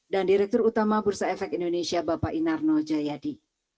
dan direktur utama bursa efek indonesia bapak inar noh jayadi